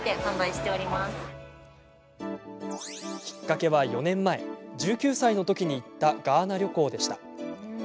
きっかけは４年前１９歳のときに行ったガーナ旅行でした。